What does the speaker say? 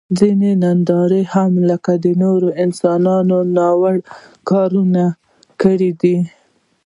ځینې دینداران هم لکه نور انسانان ناروا کارونه کړي دي.